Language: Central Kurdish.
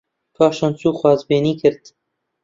پاشان چوو خوازبێنی کرد